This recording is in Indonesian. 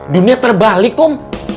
dunia terbalik kum